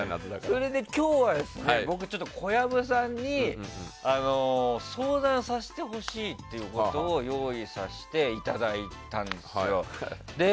今日は僕は、小籔さんに相談させてほしいということを用意させていただいたんですよ。